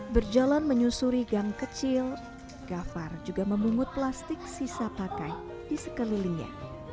berjalan menyusuri gang kecil gafar juga memungut plastik sisa pakai di sekelilingnya